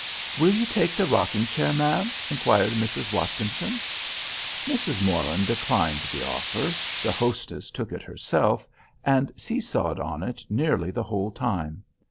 "Will you take the rocking chair, ma'am?" inquired Mrs. Watkinson. Mrs. Morland declining the offer, the hostess took it herself, and see sawed on it nearly the whole time.